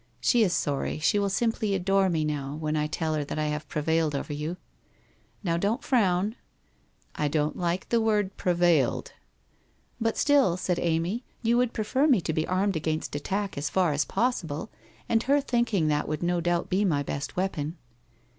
She is sorry, and she will simply adore me now, when I tell her that I have prevailed over you. ... Now, don't frown.' ' I don't like the word " prevailed." '' But still,' said Amy, ' you would prefer me to be armed against attack as far as possible, and her thinking that would no doubt be my best weapon.'